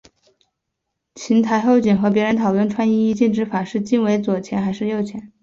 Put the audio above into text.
行台侯景和别人讨论穿衣衣襟之法是襟为左前还是右前。